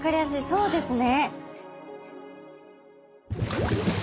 そうですね。